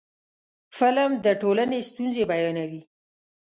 فلم د ټولنې ستونزې بیانوي